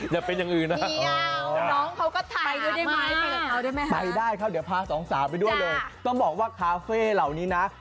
อย่าเป็นอย่างอื่นนะ